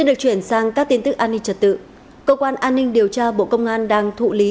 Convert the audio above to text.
xin được chuyển sang các tin tức an ninh trật tự cơ quan an ninh điều tra bộ công an đang thụ lý